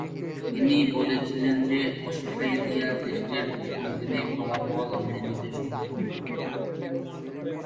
তিনি বলেছিলেন যে, অস্ট্রেলিয়া টেস্টের প্রথম দিনেই ফলাফল এনে দিতে সক্ষম।